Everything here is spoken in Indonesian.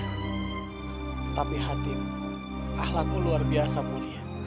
tetapi hatimu ahlakmu luar biasa mulia